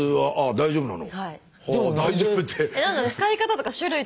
大丈夫なの？